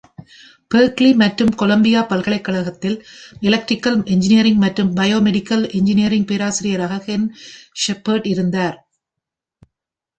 Berkeley மற்றும் Columbia பல்கலைக்கழகத்தில் electrical engineering மற்றும் பயோமெடிக்கல் இஞ்சினியரிங் பேராசிரியராக கென் ஷெப்பர்ட் இருந்தார்.